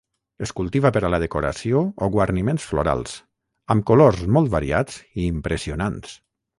Es cultiva per a la decoració o guarniments florals, amb colors molt variats i impressionants.